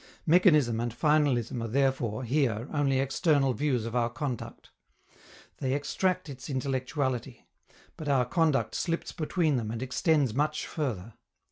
Mechanism and finalism are therefore, here, only external views of our conduct. They extract its intellectuality. But our conduct slips between them and extends much further.